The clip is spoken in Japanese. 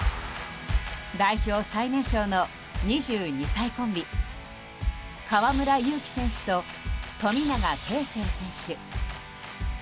代表最年少の２２歳コンビ河村勇輝選手と、富永啓生選手。